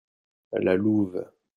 La louve.